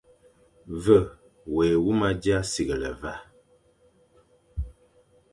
Ve wé huma dia sighle va,